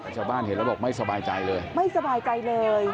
ชาวบ้านเห็นแล้วบอกไม่สบายใจเลยไม่สบายใจเลย